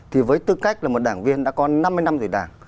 thì với tư cách là một đảng viên đã có năm mươi năm rồi đảng